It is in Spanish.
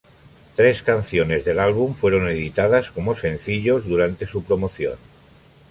Tres canciones del álbum fueron editadas como sencillos durante su promoción.